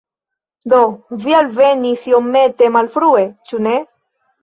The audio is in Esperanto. Do, vi alvenis iomete malfrue, ĉu ne?